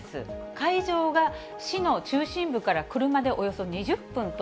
会場が市の中心部から車でおよそ２０分と。